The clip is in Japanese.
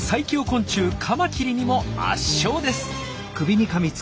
昆虫カマキリにも圧勝です！